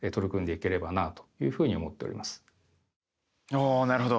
ああ、なるほど。